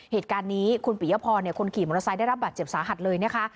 เหตุการณ์นี้คุณปิยพรคนขี่มอเตอร์ไซค์ได้รับบาดเจ็บสาหัสเลยนะคะ